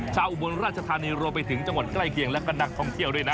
อุบลราชธานีรวมไปถึงจังหวัดใกล้เคียงและก็นักท่องเที่ยวด้วยนะ